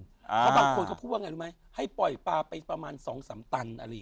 เพราะบางคนเขาพูดว่าไงรู้ไหมให้ปล่อยปลาไปประมาณ๒๓ตันอะไรอย่างนี้